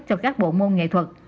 cho các bộ môn nghệ thuật